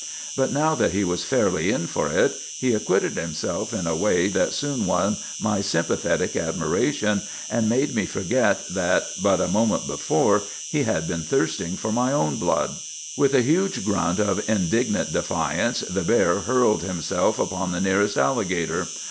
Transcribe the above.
But now that he was fairly in for it, he acquitted himself in a way that soon won my sympathetic admiration, and made me forget that but a moment before he had been thirsting for my own blood. "With a huge grunt of indignant defiance, the bear hurled himself upon the nearest alligator.